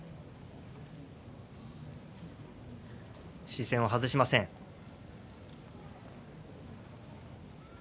視線を外しません、豊昇龍。